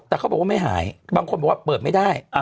แต่เขาบอกว่าไม่หายบางคนบอกว่าเปิดไม่ได้